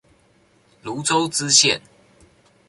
蘆洲支線